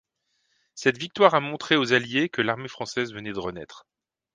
Cette victoire a montré aux Alliés que l'armée française venait de renaître.